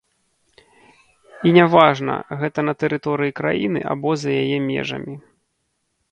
І не важна, гэта на тэрыторыі краіны або за яе межамі.